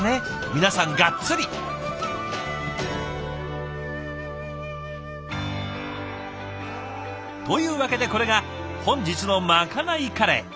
皆さんガッツリ！というわけでこれが本日のまかないカレー。